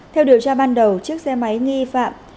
theo điều tra ban đầu chiếc xe máy nghi phạm